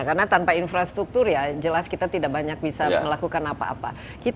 karena tanpa infrastruktur ya jelas kita tidak banyak bisa melakukan apa apa